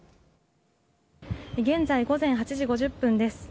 現在、午前８時５０分です。